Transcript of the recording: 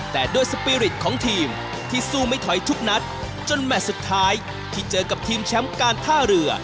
แต่ด้วยสปีริตของทีมที่สู้ไม่ถอยทุกนัดจนแมทสุดท้ายที่เจอกับทีมแชมป์การท่าเรือ